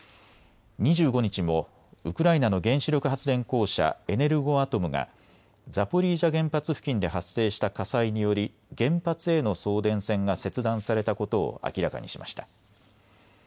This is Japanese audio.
２５日もウクライナの原子力発電公社、エネルゴアトムがザポリージャ原発付近で発生した火災により原発への送電線が切断されたことを明らかにしました。